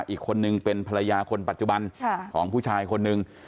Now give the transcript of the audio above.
อีกคนนึงเป็นภรรยาคนปัจจุบันของผู้ชายคนหนึ่ง